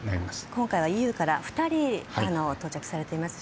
今回はＥＵから２人到着されています。